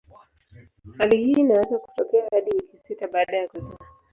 Hali hii inaweza kutokea hadi wiki sita baada ya kuzaa.